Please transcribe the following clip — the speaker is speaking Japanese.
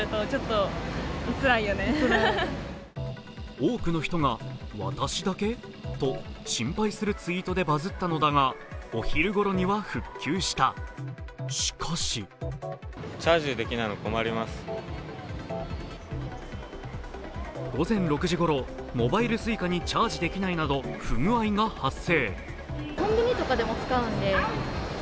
多くの人が私だけ？と心配するツイートでバズったのだが、お昼ごろには復旧した、しかし午前６時ごろ、モバイルＳｕｉｃａにチャージできないなど不具合が発生。